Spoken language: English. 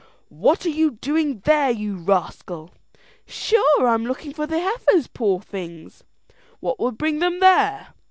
"What are you doing there, you rascal?" "Sure, I'm looking for the heifers, poor things!" "What would bring them there?"